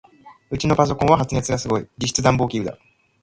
ウチのパソコンは発熱がすごい。実質暖房器具だ。